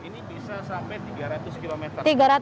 ini bisa sampai tiga ratus km